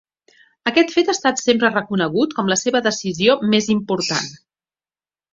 Aquest fet ha estat sempre reconegut com la seva decisió més important.